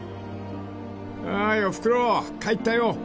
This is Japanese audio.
［おーいおふくろ帰ったよ。